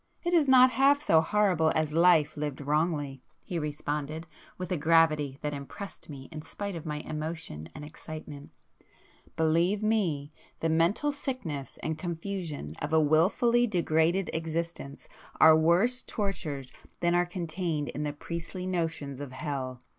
It is not half so horrible as Life lived wrongly,"—he responded, with a gravity that impressed me in spite of my emotion and excitement—"Believe me, the mental sickness and confusion of a wilfully degraded existence are worse tortures than are contained in the priestly notions of Hell.